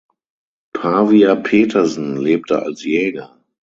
Pavia Petersen lebte als Jäger.